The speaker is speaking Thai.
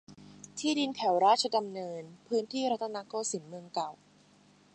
ที่ดินแถวราชดำเนิน พื้นที่รัตนโกสินทร์ เมืองเก่า